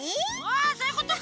そういうことか！